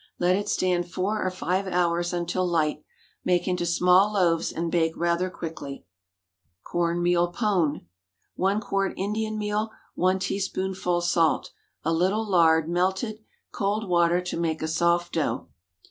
Let it stand four or five hours until light; make into small loaves and bake rather quickly. CORN MEAL PONE. 1 quart Indian meal. 1 teaspoonful salt. A little lard, melted. Cold water to make a soft dough.